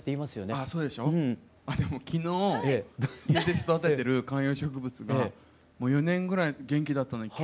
あでも昨日家で育ててる観葉植物がもう４年ぐらい元気だったのに急に枯れまして。